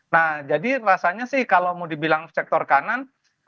nah jadi rasanya sih kalau mau dibilang sektor kanan